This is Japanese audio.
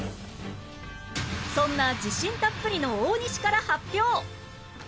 そんな自信たっぷりの大西から発表！